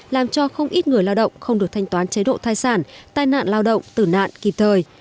làm cho không ít người lao động không được thanh toán chế độ thai sản tai nạn lao động tử nạn kịp thời